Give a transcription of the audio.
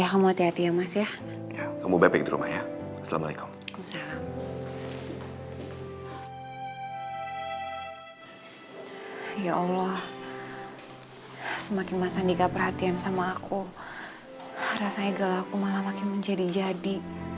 rasanya gelap aku malah makin menjadi jadi